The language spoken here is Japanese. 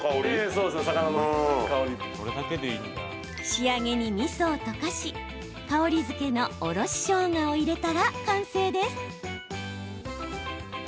仕上げに、みそを溶かし香りづけのおろししょうがを入れたら完成です。